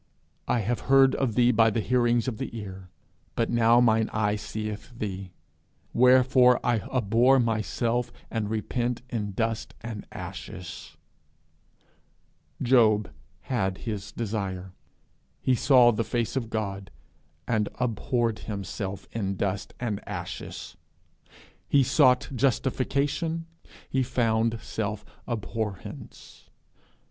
'I have heard of thee by the hearing of the ear: but now mine eye seeth thee. Wherefore I abhor myself, and repent in dust and ashes.' Job had his desire: he saw the face of God and abhorred himself in dust and ashes. He sought justification; he found self abhorrence.